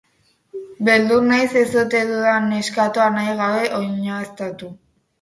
Beldur naiz ez ote dudan neskatoa nahi gabe oinazetu!